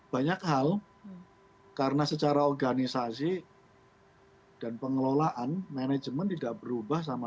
banyak hal karena secara organisasi dan pengelolaan manajemen tidak berubah sama